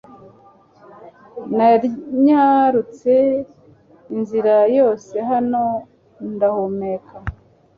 Nanyarutse inzira yose hano ndahumeka.